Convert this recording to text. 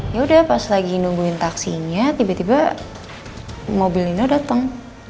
ya udah pas lagi nungguin taksinya tiba tiba mobil nino datang